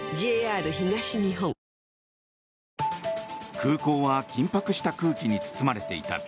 空港は緊迫した空気に包まれていた。